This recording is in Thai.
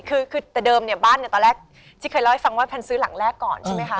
คือคือแต่เดิมเนี่ยบ้านเนี่ยตอนแรกที่เคยเล่าให้ฟังว่าแพนซื้อหลังแรกก่อนใช่ไหมคะ